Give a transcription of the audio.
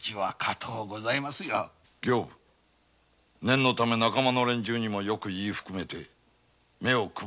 念のため仲間の連中にもよく言い含めて目を配っておけ！